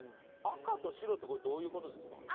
赤と白ってこれどういう事ですか？